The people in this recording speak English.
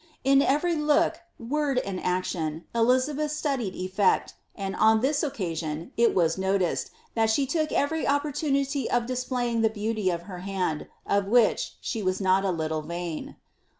In every look, word, and action, Elizabeth studied efl^jct, and on this occa sion it was noticed that she took every opportunity of displaying the beauty of her hand, of which she was not a little vain.'